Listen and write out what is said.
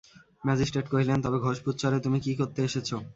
Magistrate কহিলেন, তবে ঘোষপুর-চরে তুমি কী করতে এসেছ?